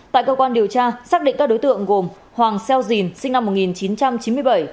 tại cơ quan điều tra xác định các đối tượng gồm hoàng xeo dình sinh năm một nghìn chín trăm chín mươi bảy